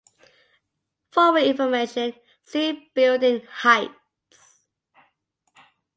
For more information, see building heights.